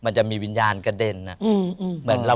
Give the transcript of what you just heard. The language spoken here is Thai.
มันจะมีวิญญาณกระเด็น